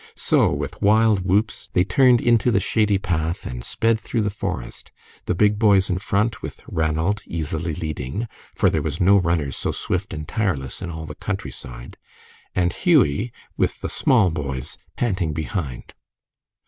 So, with wild whoops, they turned into the shady path and sped through the forest, the big boys in front, with Ranald easily leading, for there was no runner so swift and tireless in all the country side, and Hughie, with the small boys, panting behind.